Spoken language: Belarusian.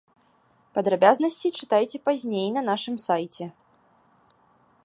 Падрабязнасці чытайце пазней на нашым сайце.